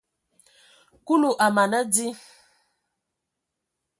Kulu a mana di.